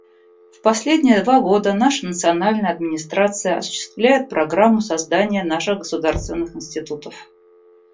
В последние два года наша национальная администрация осуществляет программу создания наших государственных институтов.